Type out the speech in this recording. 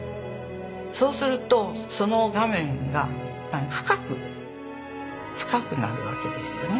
そうするとその画面が深く深くなるわけですよね。